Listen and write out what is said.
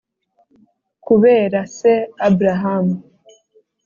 kubera se Abrahamu.